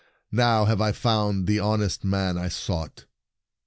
Now have I found the honest man I sought."